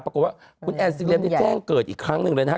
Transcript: ปรากฏว่าคุณแอนซี่เรียมด้วยต้องเกิดอีกครั้งนึงเลยนะคะ